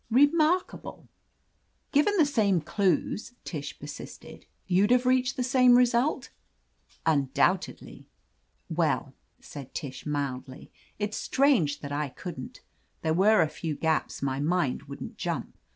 Remarkable I" "Given the same clues," Tish persisted, "you'd have reached the same result?" "Undoubtedly." "Well," said Tish, mildly. "It's strange that I couldn't There were a few gaps my mind wouldn't jump.